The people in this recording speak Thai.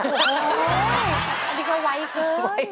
อันนี้เขาไว้เกิน